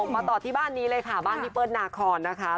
มาต่อที่บ้านนี้เลยค่ะบ้านพี่เปิ้ลนาคอนนะคะ